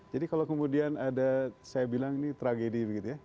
jadi kalau kemudian ada saya bilang ini tragedi gitu ya